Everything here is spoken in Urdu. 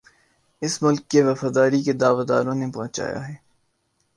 اس ملک کے وفاداری کے دعوے داروں نے پہنچایا ہے